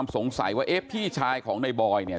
สงสัยว่าเอ๊ะพี่ชายของในบอยเนี่ย